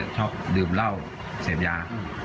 ชอบดื่มเหล้าเสพยา